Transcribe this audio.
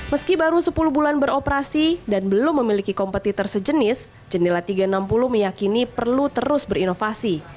meski baru sepuluh bulan beroperasi dan belum memiliki kompetitor sejenis jendela tiga ratus enam puluh meyakini perlu terus berinovasi